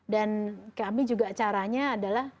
dan kami juga caranya adalah